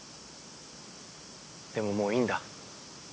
でももういいんだ。